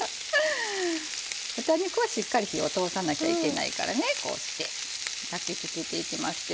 豚肉はしっかり火を通さなきゃいけないからねこうして焼き付けていきますけど。